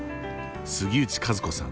杉内寿子さん